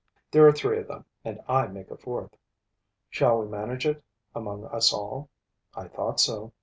There are three of them; and I make a fourth. Shall we manage it, among us all? I thought so.